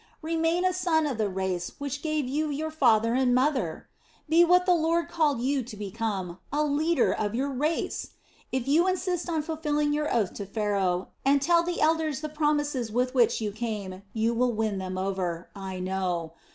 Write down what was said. Remain a son of the race which gave you your father and mother! Be what the Lord called you to become, a leader of your race! If you insist on fulfilling your oath to Pharaoh, and tell the elders the promises with which you came, you will win them over, I know.